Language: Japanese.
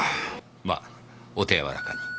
まお手柔らかに。